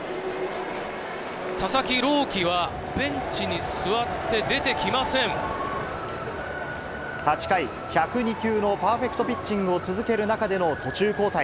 佐々木朗希は、ベンチに座っ８回、１０２球のパーフェクトピッチングを続ける中での途中交代。